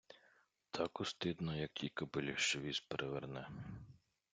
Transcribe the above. Так устидно, як тій кобилі, що віз переверне.